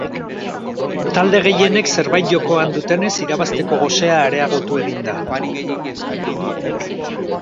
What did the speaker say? Talde gehienek zerbait jokoan dutenez irabazteko gosea areagotu egin da.